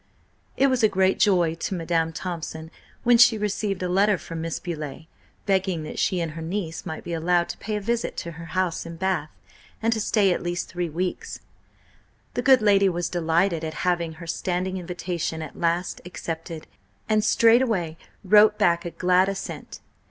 It was a great joy to Madam Thompson when she received a letter from Miss Beauleigh begging that she and her niece might be allowed to pay a visit to her house in Bath, and to stay at least three weeks. The good lady was delighted at having her standing invitation at last accepted, and straightway wrote back a glad assent.